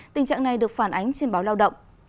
tình trạng này được phản ánh trên báo lao động